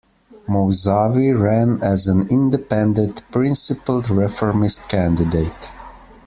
Mousavi ran as an independent Principled Reformist candidate.